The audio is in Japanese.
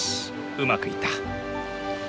うまくいった！